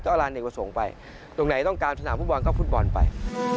ก็เอาร้านเด็กประสงค์ไปตรงไหนต้องการสนามผู้บอลก็ผู้บอลไป